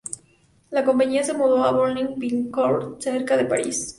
La compañía se mudó a Boulogne-Billancourt cerca de París.